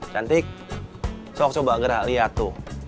cantik sok coba gerak lihat tuh